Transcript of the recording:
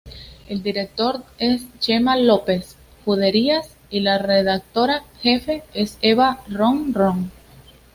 El director es Chema López Juderías y la redactora jefe es Eva Ron Ron.